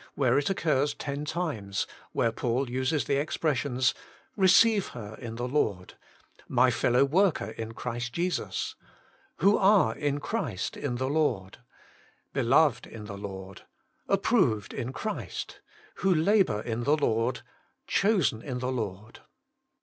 where it occurs ten times, where Paul uses the expressions :* Receive here in the Lord ;'' my fellow worker in Christ Jesus ;'* who are in Christ, in the Lord ;'' beloved in the Lord ;'' approved in Christ ;'* who Working for God 75 labour in the Lord ;'' chosen in the Lord.'